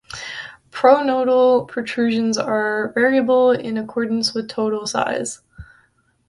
Pronotal protrusions are variable in accordance with total size.